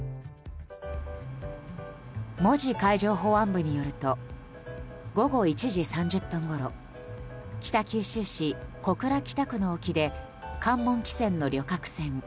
門司海上保安部によると午後１時３０分ごろ北九州市小倉北区の沖で関門汽船の旅客船